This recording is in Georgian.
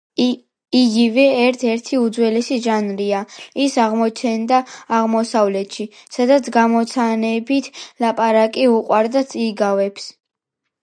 იგავი ერთ–ერთი უძველესი ჟანრია. ის აღმოცენდა აღმოსავლეთში, სადაც გამოცანებით ლაპარაკი უყვარდათ. იგავების